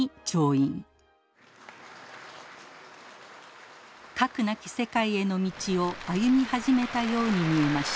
核なき世界への道を歩み始めたように見えました。